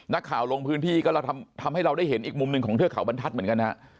ลงพื้นที่ก็เราทำให้เราได้เห็นอีกมุมหนึ่งของเทือกเขาบรรทัศน์เหมือนกันฮะ